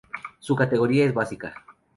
Su categoría es básica.